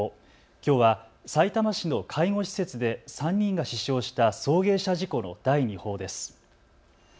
きょうはさいたま市の介護施設で３人が死傷した送迎車事故の第二報です。